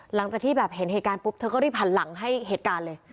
หลังจากที่แบบเห็นเหตุการณ์ปุ๊บเธอก็รีบหันหลังให้เหตุการณ์เลย